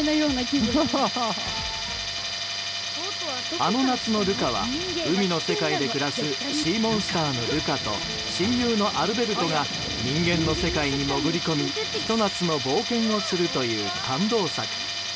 「あの夏のルカ」は海の世界で暮らすシー・モンスターのルカと親友のアルベルトが人間の世界に潜り込みひと夏の冒険をするという感動作。